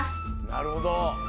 なるほど。